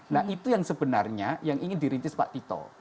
nah itu yang sebenarnya yang ingin dirintis pak tito